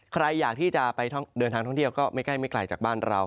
ใครอยากที่จะไปเดินทางท่องเที่ยวก็ไม่ใกล้ไม่ไกลจากบ้านเรา